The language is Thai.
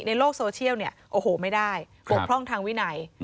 ในโลกโซเชียลเนี่ยโอ้โหไม่ได้บกพร่องทางวินัย